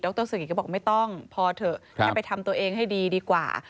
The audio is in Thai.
รสุกิตก็บอกไม่ต้องพอเถอะแค่ไปทำตัวเองให้ดีดีกว่า